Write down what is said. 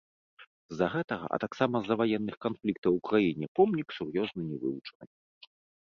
З-за гэтага, а таксама з-за ваенных канфліктаў у краіне помнік сур'ёзна не вывучаны.